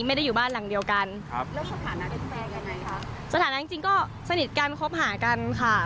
ไม่ได้อยู่บ้านหลังเดียวกันครับแล้วสถานะเป็นแฟนยังไงคะสถานะจริงจริงก็สนิทกันคบหากันค่ะ